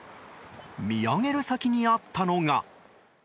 見上げる先にあったのが。